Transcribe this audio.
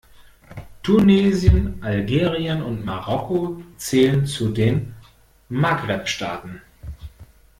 Tunesien, Algerien und Marokko zählen zu den Maghreb-Staaten.